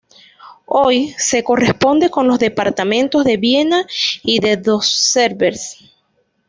Hoy, se corresponde con los "departamentos" de Viena y de Dos-Sevres.